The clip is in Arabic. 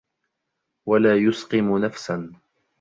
وَلَا يُسْقِمُ نَفْسًا